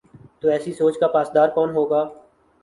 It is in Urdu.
تو ایسی سوچ کا پاسدار کون ہو گا؟